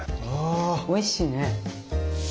おいしいね。